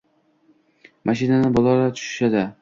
Mashinadan bolalar tushishadi.